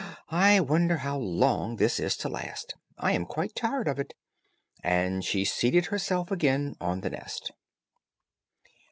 I wonder how long this is to last, I am quite tired of it;" and she seated herself again on the nest.